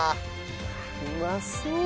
うまそう！